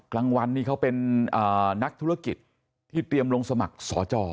กลางวันนี่เขาเป็นนักธุรกิจที่เตรียมลงสมัครสอจอ